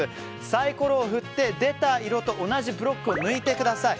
サイコロを振って出た色と同じブロックを抜いてください。